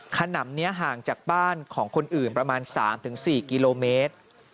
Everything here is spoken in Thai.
ขนำนี้ห่างจากบ้านของคนอื่นประมาณ๓๔กิโลเมตร